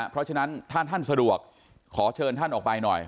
เพราะฉะนั้นถ้าท่านสะดวกขอเชิญท่านออกไปหน่อย